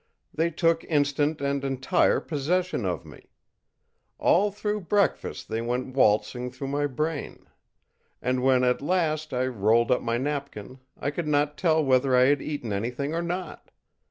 They took instant and entire possession of me. All through breakfast they went waltzing through my brain; and when, at last, I rolled up my napkin, I could not tell whether I had eaten anything or not.